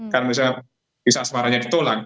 karena misalnya bisa asmaranya ditolak